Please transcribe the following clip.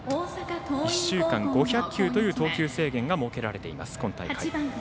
１週間５００球という投球制限が設けられている今大会。